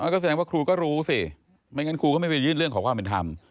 ก็แสดงว่าครูก็รู้สิไม่งั้นครูก็ไม่ไปยื่นเรื่องขอความเป็นธรรม